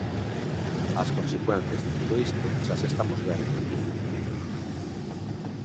As consecuencias de todo isto xa as estamos vendo.